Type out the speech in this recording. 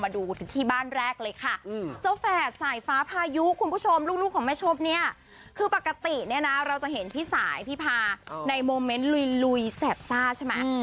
ดูคุณผู้ชมลูกของแม่ชบเนี่ยคือปกติเนี่ยนะเราจะเห็นพี่สายพี่พาในโมเม้นต์ลุยแสบซ่าใช่ไหม